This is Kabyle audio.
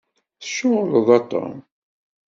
Tceɣleḍ, a Tom?